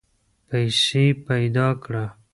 پیسې پیدا کړه.